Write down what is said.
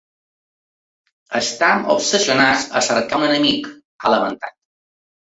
Estem obsessionats a cercar un enemic, ha lamentat.